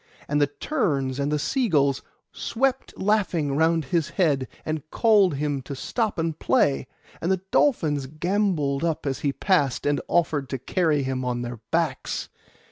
And the terns and the sea gulls swept laughing round his head, and called to him to stop and play, and the dolphins gambolled up as he passed, and offered to carry him on their backs.